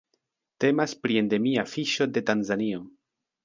Temas pri endemia fiŝo de Tanzanio.